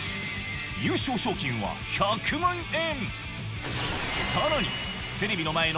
優勝賞金は１００万円。